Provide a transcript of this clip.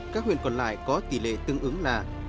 các huyện còn lại có tỷ lệ tương ứng là